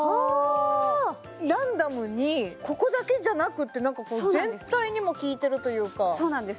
ランダムにここだけじゃなくってなんかこう全体にもきいてるというかそうなんです